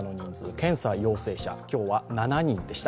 検査陽性者、今日は７人でした。